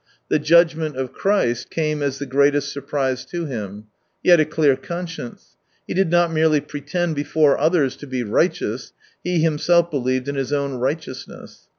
The judg ment of ChHst came as the greatest surprise to him. He had a clear conscience. He did not merely pretend before others to be righteous, he himself believed in his own righteousness.